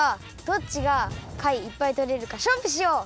どっちがかいいっぱいとれるかしょうぶしよう！